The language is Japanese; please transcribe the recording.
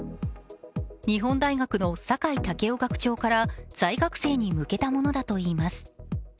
日本大学の酒井健夫学長から在学生に向けたものだといいます。